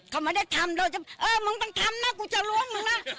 อย่ายุ่งอย่ายุ่งใครอย่ายุ่ง